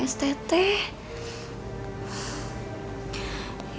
kenapa kamu tinggal smstt